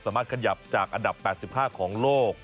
สามารถขยับจากอันดับ๘๕ของโลก